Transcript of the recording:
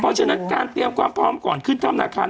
เพราะฉะนั้นการเตรียมความพร้อมก่อนขึ้นถ้ำนาคาร